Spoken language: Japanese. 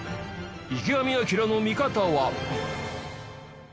池上彰の見方は。